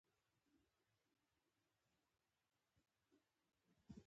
د زړه دنده څه ده؟